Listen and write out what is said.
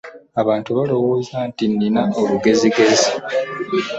Abantu balowooza nti nnina olugezigezi.